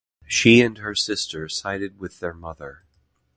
She and her sisters sided with their mother.